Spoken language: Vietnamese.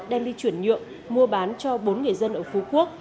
đem đi chuyển nhượng mua bán cho bốn người dân ở phú quốc